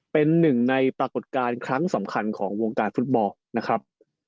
เป็นหนึ่งในปรากฏการณ์ครั้งสำคัญของวงการฟุตบอลนะครับ